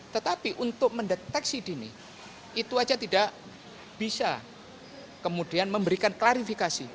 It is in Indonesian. tetapi untuk mendeteksi dini itu saja tidak bisa kemudian memberikan klarifikasi